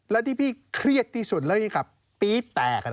แล้วที่พี่เครียดที่สุดเรื่องกับปี๊ดแตกอ่ะนะ